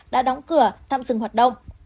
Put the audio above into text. đã đóng cửa thăm dừng hoạt động